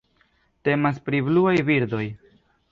Temas pri bluaj birdoj.